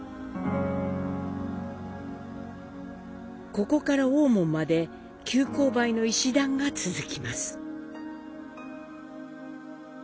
ここから大門まで急勾配の石段が続きます。